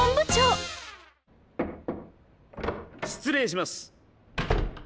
失礼します。